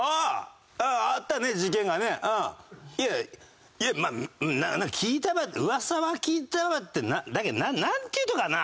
いやいやまあなんか聞いた噂は聞いたわってだけどなんていうのかな？